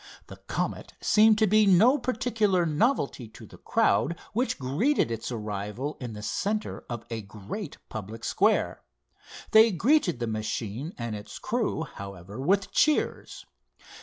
The Comet seemed to be no particular novelty to the crowd which greeted its arrival in the center of a great public square. They greeted the machine and its crew, however, with cheers.